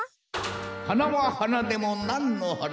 はなははなでもなんのはな。